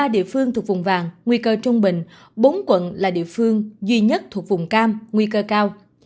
ba địa phương thuộc vùng vàng nguy cơ trung bình bốn quận là địa phương duy nhất thuộc vùng cam nguy cơ cao